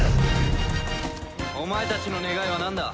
お前たちの願いはなんだ？